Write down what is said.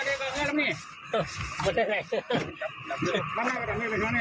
รับความผัญญาอยู่